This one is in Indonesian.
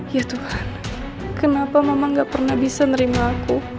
ya tuhan kenapa mama gak pernah bisa nerima aku